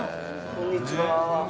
こんにちは。